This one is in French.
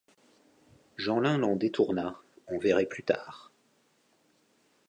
Jeanlin l’en détourna: on verrait plus tard.